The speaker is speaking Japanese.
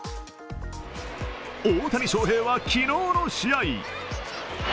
大谷翔平は昨日の試合